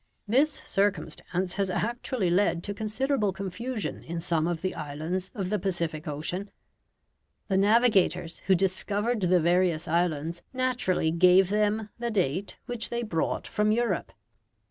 This circumstance has actually led to considerable confusion in some of the islands of the Pacific Ocean. The navigators who discovered the various islands naturally gave them the date which they brought from Europe.